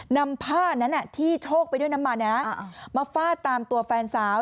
นำผ้านั้นที่โชคไปด้วยน้ำมันมาฟาดตามตัวแฟนสาว